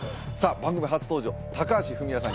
番組初登場高橋文哉さん